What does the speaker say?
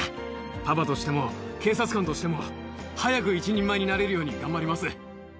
パパとしても警察官としても、早く一人前になれるように頑張ります。